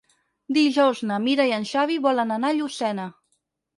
Dijous na Mira i en Xavi volen anar a Llucena.